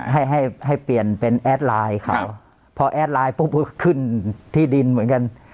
ให้ให้เปลี่ยนเป็นแอดไลน์เขาพอแอดไลน์ปุ๊บก็ขึ้นที่ดินเหมือนกัน